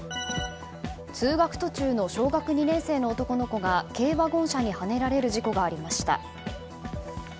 通学途中の小学２年生の男の子が軽ワゴン車にはねられる事故がありました。